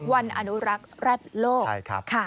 วันอนุรักษ์แร็ดโลกค่ะ